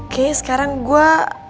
kayaknya sekarang gue